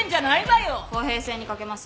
公平性に欠けます。